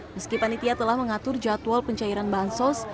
meski panitia telah mengatur jadwal pencairan bansos